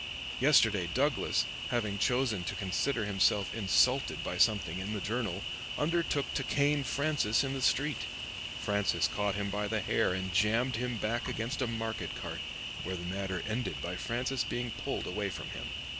Yesterday Douglas, having chosen to consider himself insulted by something in the 'Journal,' undertook to cane Francis in the street. Francis caught him by the hair and jammed him back against a market cart, where the matter ended by Francis being pulled away from him.